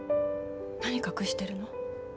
何隠してるの？